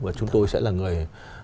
và chúng tôi sẽ là người